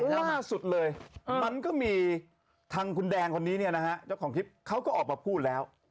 ล่าสุดเลยมันก็มีทางคุณแดงคนนี้เนี่ยนะฮะเจ้าของคลิปเขาก็ออกมาพูดแล้ว